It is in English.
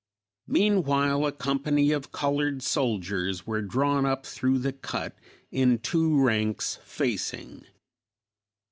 Meanwhile a company of colored soldiers were drawn up through the cut in two ranks facing.